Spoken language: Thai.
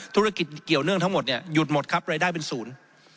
ธุรกิจเกี่ยวเนื่องทั้งหมดเนี่ยหยุดหมดครับรายได้เป็นศูนย์